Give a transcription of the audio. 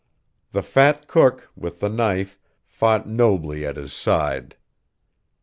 The fat cook, with the knife, fought nobly at his side.